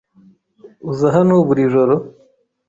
Uza hano buri joro?